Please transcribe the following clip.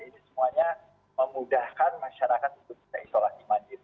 ini semuanya memudahkan masyarakat untuk bisa isolasi mandiri